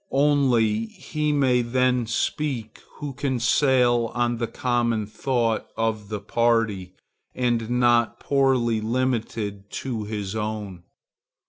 Only he may then speak who can sail on the common thought of the party, and not poorly limited to his own.